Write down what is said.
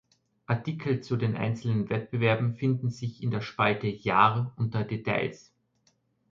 Artikel zu den einzelnen Wettbewerben finden sich in der Spalte "Jahr" unter "Details".